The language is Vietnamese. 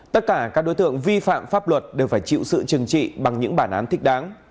tất cả các đối tượng vi phạm pháp luật đều phải chịu sự trừng trị bằng những bản án thích đáng